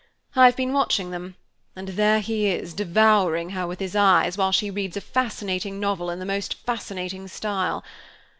I've been watching them, and there he is, devouring her with his eyes, while she reads a fascinating novel in the most fascinating style.